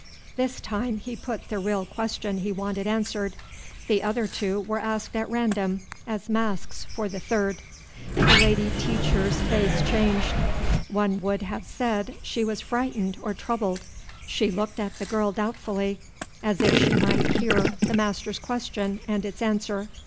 This time he put the real question he wanted answered; the other two were asked at random, as masks for the third. The lady teacher's face changed; one would have said she was frightened or troubled. She looked at the girl doubtfully, as if she might hear the master's question and its answer.